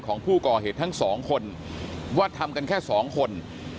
ของผู้ก่อเหตุทั้งสองคนว่าทำกันแค่สองคน